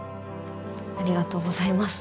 ありがとうございます。